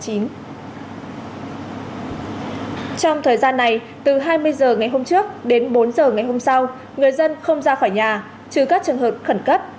trong thời gian này từ hai mươi h ngày hôm trước đến bốn h ngày hôm sau người dân không ra khỏi nhà trừ các trường hợp khẩn cấp